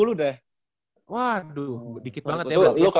waduh dikit banget ya